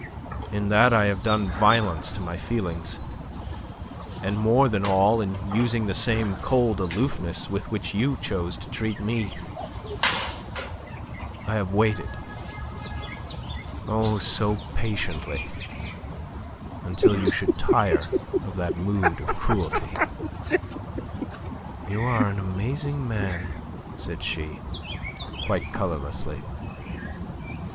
In that I have done violence to my feelings, and more than all in using the same cold aloofness with which you chose to treat me. I have waited oh! so patiently until you should tire of that mood of cruelty." "You are an amazing man," said she, quite colourlessly.